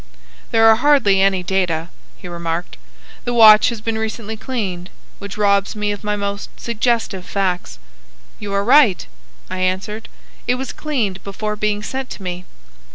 "There are hardly any data," he remarked. "The watch has been recently cleaned, which robs me of my most suggestive facts." "You are right," I answered. "It was cleaned before being sent to me."